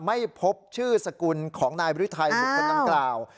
ไม่พบชื่อสกุลของนายบริไทยบุคคลดังกล่าว